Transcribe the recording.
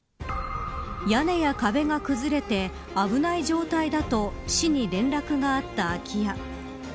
屋根や壁が崩れて危ない状態だと市に連絡があった空き家。